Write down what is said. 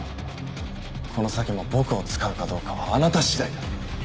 この先も僕を使うかどうかはあなた次第だ。